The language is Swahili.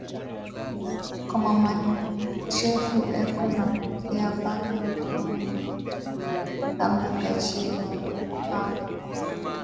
Kwa mama chefu eko na pokeya paka ba mama, njuu aba kachiye ma mpango